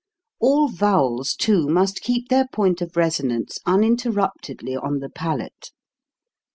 All vowels, too, must keep their point of resonance uninterruptedly on the palate.